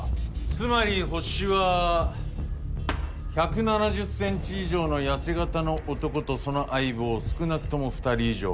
つまりホシは１７０ｃｍ以上の痩せ型の男とその相棒少なくとも２人以上。